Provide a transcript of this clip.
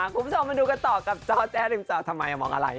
คุณผู้ชมมาดูกันต่อกับจอแจ้ริมจอทำไมมองอะไร